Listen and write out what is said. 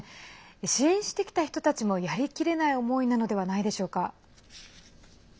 支援してきた人たちもやりきれない思いなのではないでしょうか。